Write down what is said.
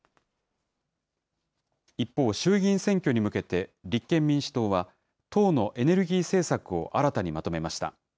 一方、衆議院選挙に向けて立憲民主党は、党のエネルギー政策を新たにまとめました。